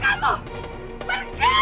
kamu penipu pergi